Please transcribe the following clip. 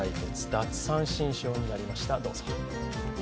奪三振ショーになりました。